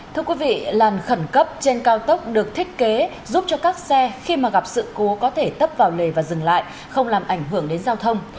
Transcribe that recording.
thưa quý vị làn khẩn cấp trên cao tốc được thiết kế giúp cho các xe khi mà gặp sự cố có thể tấp vào lề và dừng lại không làm ảnh hưởng đến giao thông